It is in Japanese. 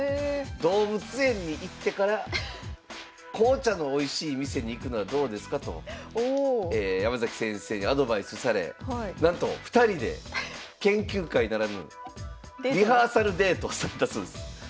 動物園に行ってから紅茶のおいしい店に行くのはどうですかと山崎先生にアドバイスされなんと２人で研究会ならぬリハーサルデートされたそうです。